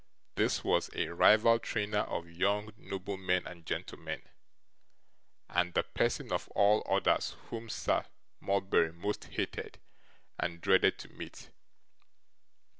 This was a rival trainer of young noblemen and gentlemen, and the person of all others whom Sir Mulberry most hated and dreaded to meet.